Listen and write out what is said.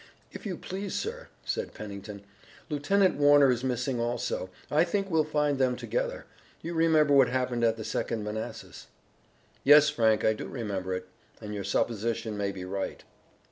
"If you please, sir," said Pennington, "Lieutenant Warner is missing also. I think we'll find them together. You remember what happened at the Second Manassas." "Yes, Frank, I do remember it, and your supposition may be right."